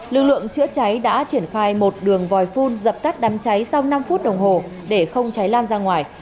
lực lượng chữa cháy đã triển khai một đường vòi phun dập tắt đám cháy sau năm phút đồng hồ để không cháy lan ra ngoài